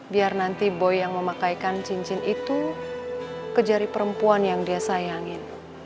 biar nanti boy yang memakaikan cincin itu kejari perempuan yang dia sayangin